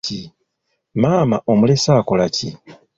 Maama omulese akola ki?